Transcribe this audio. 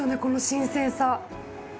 この新鮮さ。